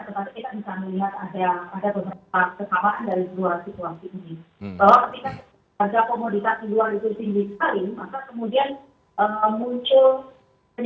tetapi kita bisa melihat ada kesamaan dari dua situasi ini